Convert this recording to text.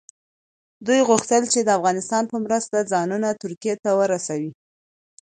دوی غوښتل چې د افغانستان په مرسته ځانونه ترکیې ته ورسوي.